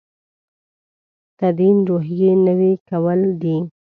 تدین روحیې نوي کول دی.